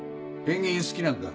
ペンギン好きなんか？